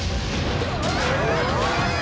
うわ！